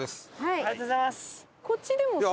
ありがとうございます！